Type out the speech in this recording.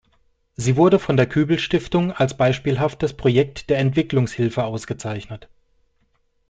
Sie wurde von der Kübel-Stiftung als beispielhaftes Projekt der Entwicklungshilfe ausgezeichnet.